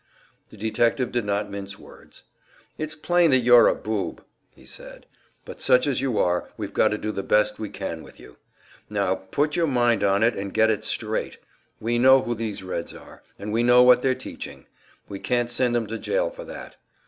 The detective did not mince words. "It's plain that you're a boob," he said. "But such as you are, we've got to do the best we can with you. Now, put your mind on it and get it straight: we know who these Reds are, and we know what they're teaching; we can't send 'em to jail for that.